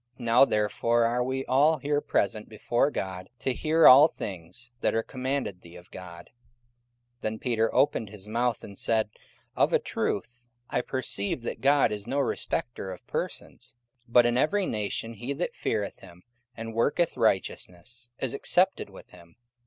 Now therefore are we all here present before God, to hear all things that are commanded thee of God. 44:010:034 Then Peter opened his mouth, and said, Of a truth I perceive that God is no respecter of persons: 44:010:035 But in every nation he that feareth him, and worketh righteousness, is accepted with him.